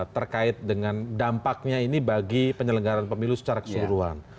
terkait dengan dampaknya ini bagi penyelenggaraan pemilu secara keseluruhan